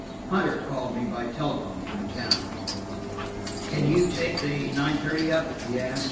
Hunter called me by telephone from town. "Can you take the nine thirty up?" he asked.